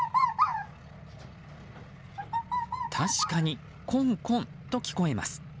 確かに、コンコンと聞こえます。